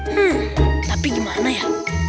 hmm tapi gimana ya